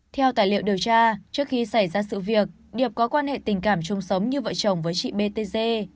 theo tài liệu điều tra trước khi xảy ra sự việc điệp có quan hệ tình cảm chung sống như vợ chồng với chị b t g